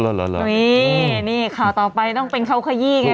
อ๋อหรอหรอนี่นี่ข่าวต่อไปต้องเป็นเข้าขยี้ไง